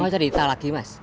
mas mau cari talak mas